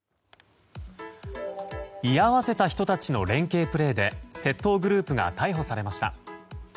居合わせた人たちの連係プレーで窃盗グループが逮捕されました。